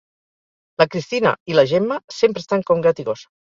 La Cristina i la Gemma sempre estan com gat i gos